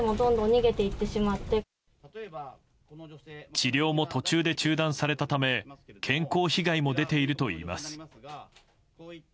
治療も途中で中断されたため健康被害も出ているといいます。